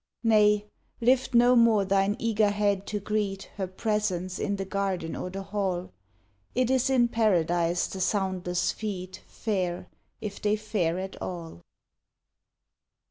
Nay lift no more thine eager head to greet Her presence in the garden or the hall : It is in Paradise the soundless feet Fare, if they fare at all.